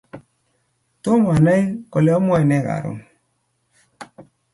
Tomo anay kole amwae nee karon